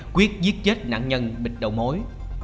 quyết giết chết nạn nhân bịt đầu mối